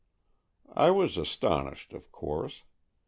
I was astonished, of course.